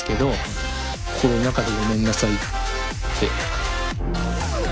心の中で「ごめんなさい」って。